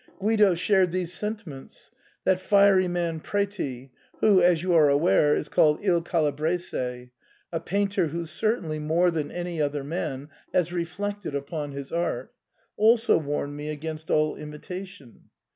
Guido shared these senti ments ; and that fiery man Preti,* who, as you are aware, is called // Calabrese — a painter who certainly, more than any other man, has reflected upon his art — also warned me against all imitation.